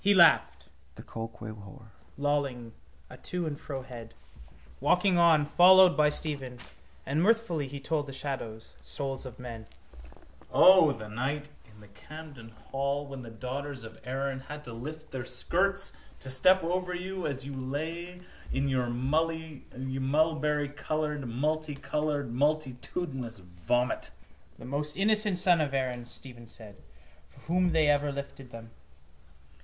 He laughed, lolling a to and fro head, walking on, followed by Stephen: and mirthfully he told the shadows, souls of men: —O, the night in the Camden hall when the daughters of Erin had to lift their skirts to step over you as you lay in your mulberrycoloured, multicoloured, multitudinous vomit! —The most innocent son of Erin, Stephen said, for whom they ever lifted them.